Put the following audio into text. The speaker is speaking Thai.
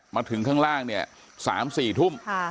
มาถึงข้างล่างเนี่ยสามสี่ทุ่มค่ะ